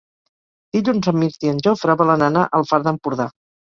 Dilluns en Mirt i en Jofre volen anar al Far d'Empordà.